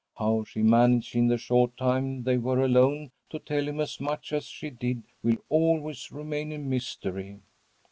How she managed in the short time they were alone to tell him as much as she did will always remain a mystery.